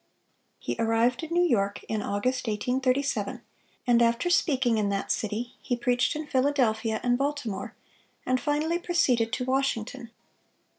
He arrived in New York in August, 1837; and after speaking in that city, he preached in Philadelphia and Baltimore, and finally proceeded to Washington.